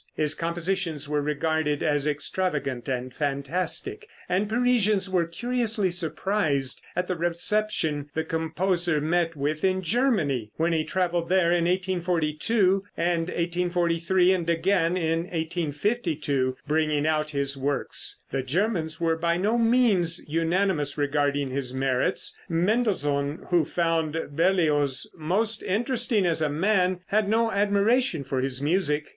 His compositions were regarded as extravagant and fantastic, and Parisians were curiously surprised at the reception the composer met with in Germany, when he traveled there in 1842 and 1843, and again in 1852, bringing out his works. The Germans were by no means unanimous regarding his merits. Mendelssohn, who found Berlioz most interesting as a man, had no admiration for his music.